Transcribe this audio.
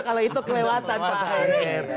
kalau itu kelewatan pak ahoker